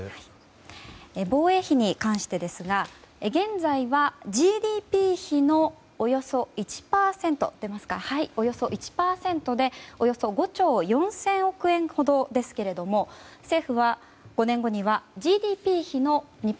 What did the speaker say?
防衛費に関してですが、現在はＧＤＰ比のおよそ１％でおよそ５兆４０００億円ほどですが政府は５年後にはＧＤＰ比の２％